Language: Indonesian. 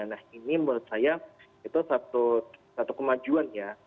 nah ini menurut saya itu satu kemajuannya